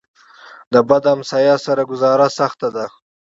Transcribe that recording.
د بد ګاونډي سره ګذاره سخته ده.